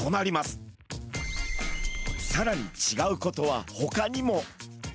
さらにちがうことはほかにも！